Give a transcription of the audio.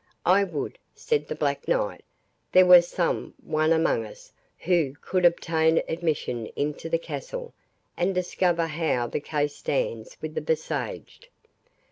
"I would," said the Black Knight, "there were some one among us who could obtain admission into the castle, and discover how the case stands with the besieged.